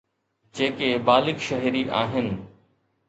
جيڪي بالغ شهري آهن.